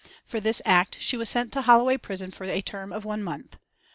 For this act she was sent to Holloway prison for a term of one month.